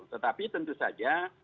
tetapi tentu saja